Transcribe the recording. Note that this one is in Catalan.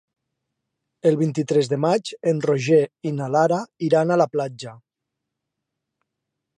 El vint-i-tres de maig en Roger i na Lara iran a la platja.